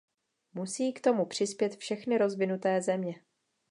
Musí k tomu přispět všechny rozvinuté země.